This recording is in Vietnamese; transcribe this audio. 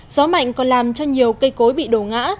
gió mạnh còn làm cho nhiều cây cối bị đổ ngã